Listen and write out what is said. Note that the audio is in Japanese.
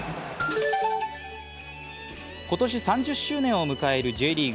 今年３０周年を迎えるＪリーグ。